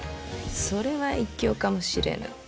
それは一興かもしれぬ。